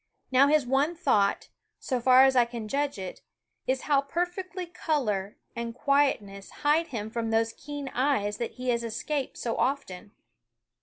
Now his one thought, so far as I can judge it, is how perfectly color and quietness hide him from those keen eyes that he has escaped so often.